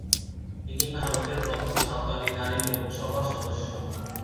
তিনি ভারতের প্রথম সাঁওতালি নারী লোকসভা সদস্য।